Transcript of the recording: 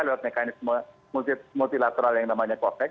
lewat mekanisme multilateral yang namanya covax